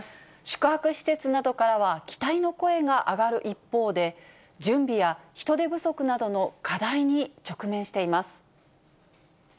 宿泊施設などからは期待の声が上がる一方で、準備や人手不足などの課題に直面しています。